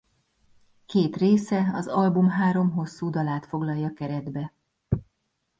Két része az album három hosszú dalát foglalja keretbe.